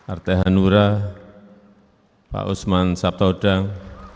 arte hanura pak usman sabtaudang